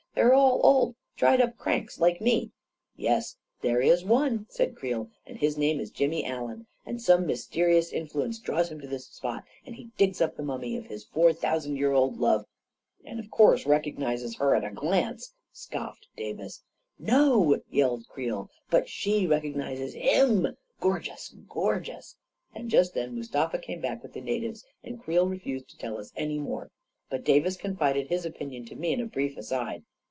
" They're all old, dried up cranks like me !" 1 62 A KING IN BABYLON " Yes — there is one," said Creel, " and his name is Jimmy Allen — and some mysterious influence draws him to this spot — and he digs up the mummy <rf his four thousand years old love ..•"" And of course recognizes her at a glance !" scoffed Davis. " No !" yelled Creel. " But she recognizes him 1 Gorgeous ! Gorgeous !" And just then Mustafa came back with the na tives, and Creel refused to tell us any more. But Davis confided his opinion to me in a brief aside.